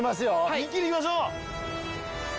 一気にいきましょう！